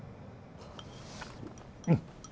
うん。